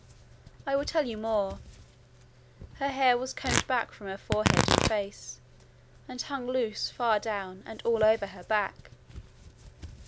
I will tell you more. Her hair was combed back from her forehead and face, and hung loose far down and all over her back.